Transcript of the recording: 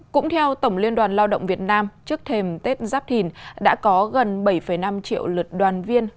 cũng theo tổng liên đoàn lao động việt nam trước thềm tết giáp thìn đã có gần bảy năm triệu lượt đoàn viên